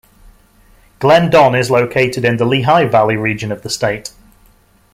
Glendon is located in the Lehigh Valley region of the state.